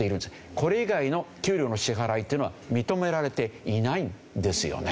これ以外の給料の支払いっていうのは認められていないんですよね。